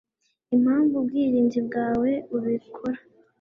Impamvu ubwirinzi bwawe bubikora